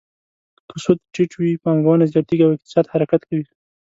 که سود ټیټ وي، پانګونه زیاتیږي او اقتصاد حرکت کوي.